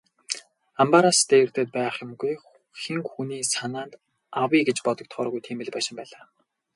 Амбаараас дээрдээд байх юмгүй, хэн хүний санаанд авъя гэж бодогдохооргүй тийм л байшин байлаа.